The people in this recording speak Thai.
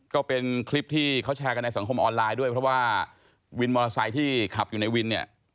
ก็เป็นคลิปที่เขาแชร์กันในสังคมออนไลน์ด้วยเพราะว่าวินมอเตอร์ไซค์ที่ขับอยู่ในวินเนี่ย